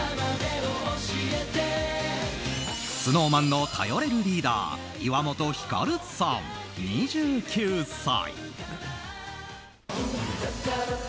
ＳｎｏｗＭａｎの頼れるリーダー岩本照さん、２９歳。